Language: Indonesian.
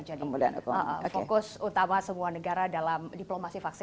ada hal yang di blaha